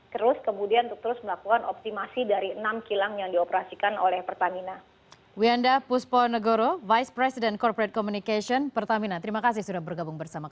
terus kemudian terus melakukan optimasi dari enam kilang yang dioperasikan oleh pertamina